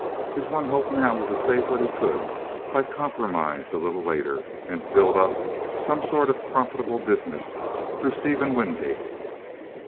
His one hope now was to save what he could by compromise a little later, and to build up some sort of profitable business through Stephen Wingate.